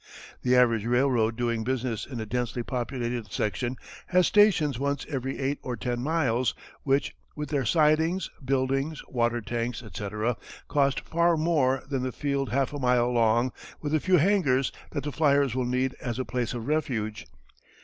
The average railroad doing business in a densely populated section has stations once every eight or ten miles which with their sidings, buildings, water tanks, etc., cost far more than the field half a mile long with a few hangars that the fliers will need as a place of refuge.